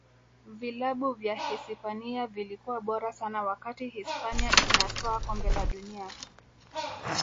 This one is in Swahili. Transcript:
vilabu vya hisipania vilikuwa bora sana wakati hispania inatwaa kombe la dunia